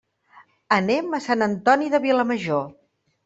Anem a Sant Antoni de Vilamajor.